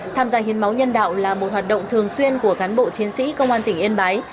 tham gia hiến máu nhân đạo là một hoạt động thường xuyên của cán bộ chiến sĩ công an tỉnh yên bái